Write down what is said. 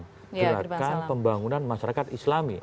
gerakan pembangunan masyarakat islami